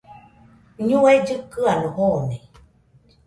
ñue llɨkɨano joone